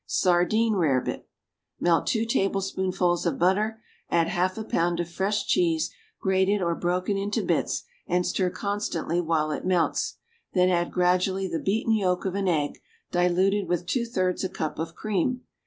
=Sardine Rarebit.= Melt two tablespoonfuls of butter, add half a pound of fresh cheese, grated or broken into bits, and stir constantly while it melts; then add gradually the beaten yolk of an egg, diluted with two thirds a cup of cream.